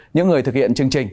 những người thực hiện chương trình